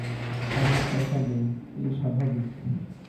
তারা চেঁচাবে, এ স্বাভাবিক।